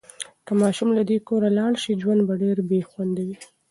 که ماشوم له دې کوره لاړ شي، ژوند به ډېر بې خونده وي.